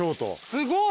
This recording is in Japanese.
すごい。